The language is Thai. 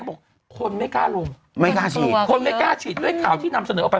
บอกคนไม่กล้าลงไม่กล้าฉีดคนไม่กล้าฉีดด้วยข่าวที่นำเสนอออกไป